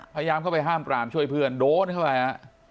พยายามเข้าไปห้ามปรามช่วยเพื่อนโดนเข้าไปฮะ